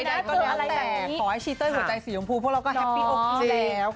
ได้แต่ขอให้ชีเตอร์หัวใจสียงพูพวกเราก็แฮปปี้โอเคแล้ว